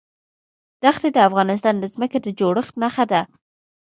دښتې د افغانستان د ځمکې د جوړښت نښه ده.